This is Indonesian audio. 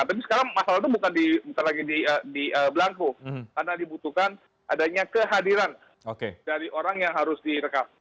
tapi sekarang masalah itu bukan lagi di belangku karena dibutuhkan adanya kehadiran dari orang yang harus direkam